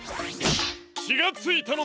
きがついたのです。